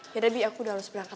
ya debbie aku udah harus berangkat